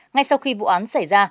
ngay sau khi vụ án xảy ra